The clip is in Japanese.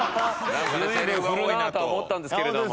随分振るなとは思ったんですけれども。